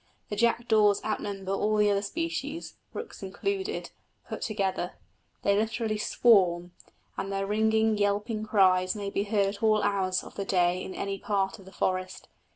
The jackdaws outnumber all the other species (rooks included) put together; they literally swarm, and their ringing, yelping cries may be heard at all hours of the day in any part of the forest.